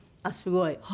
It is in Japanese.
あっすごい。